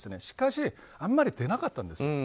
しかし、あまり出なかったんです。